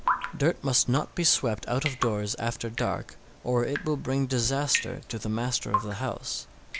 _ 654. Dirt must not be swept out of doors after dark, or it will bring disaster to the master of the house.